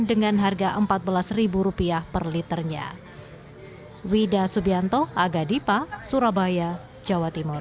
dengan harga rp empat belas per liternya